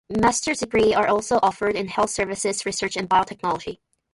Master's degrees are also offered in health services research and biotechnology.